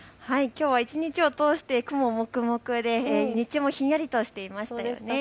きょうは一日を通して雲もくもくで日中もひんやりとしていましたよね。